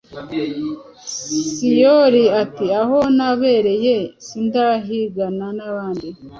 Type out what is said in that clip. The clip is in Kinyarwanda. Syoli ati: Aho nabereye sindahigana n’abandi.